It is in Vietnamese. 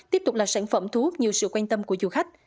tiếp tục là sản phẩm thuốc nhiều sự quan tâm của du khách